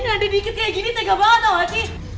dia dikit kayak gini tiga banget